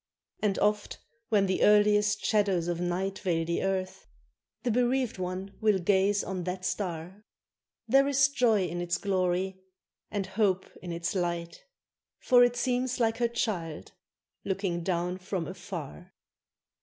And oft, when the earliest shadows of night Veil the earth, the bereaved one will gaze on that star; There is joy in its glory and hope in its light, For it seems like her child looking down from afar.